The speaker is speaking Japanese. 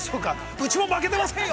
うちも負けてませんよ。